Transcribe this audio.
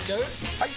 ・はい！